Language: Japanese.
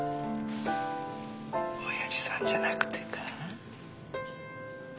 親父さんじゃなくてか？